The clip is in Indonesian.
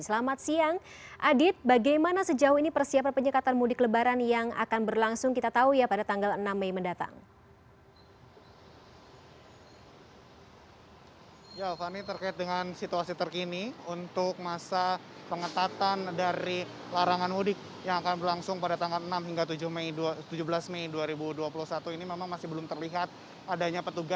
selamat siang adit bagaimana sejauh ini persiapan penyekatan mudik lebaran yang akan berlangsung kita tahu ya pada tanggal enam mei mendatang